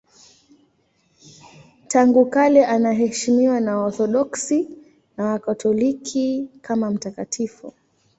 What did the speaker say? Tangu kale anaheshimiwa na Waorthodoksi na Wakatoliki kama mtakatifu.